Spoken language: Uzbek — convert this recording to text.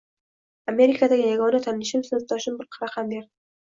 Amerikadagi yagona tanishim — sinfdoshim bir raqam berdi.